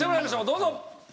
どうぞ。